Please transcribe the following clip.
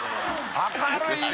明るいね！